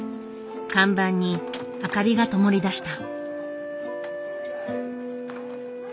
看板に明かりがともりだした。